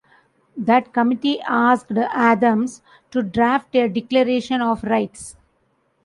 That committee asked Adams to draft a declaration of rights.